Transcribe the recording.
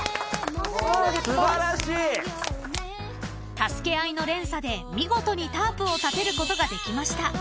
［助け合いの連鎖で見事にタープを建てることができました］